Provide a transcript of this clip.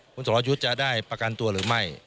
คุณสรยุทธ์จะได้ประกันตัวหรือไม่